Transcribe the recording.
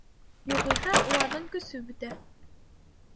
Юғиһә, уларҙың көсө бөтә.